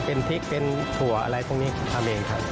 เป็นพริกเป็นถั่วอะไรพวกนี้ทำเองครับ